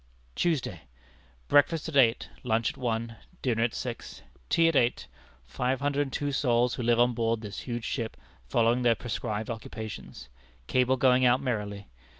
"Tuesday. Breakfast at eight. Lunch at one. Dinner at six. Tea at eight. Five hundred and two souls who live on board this huge ship following their prescribed occupations. Cable going out merrily.